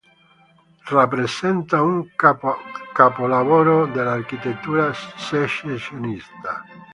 Rappresenta un capolavoro dell'architettura Secessionista.